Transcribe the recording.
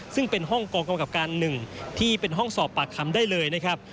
ซึ่งเป็นห้องกองกำกับการหนึ่งที่เป็นห้องสอบปากคำได้เลยนะครับ